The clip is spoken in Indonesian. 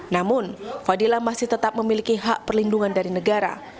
namun fadila masih tetap memiliki hak perlindungan dari negara